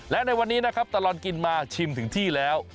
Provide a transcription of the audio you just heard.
และในวันนี้นะครับตลอดกินมาชิมถึงที่แล้ว